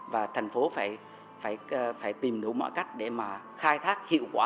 và thành phố phải tìm đủ mọi cách để mà khai thác hiệu quả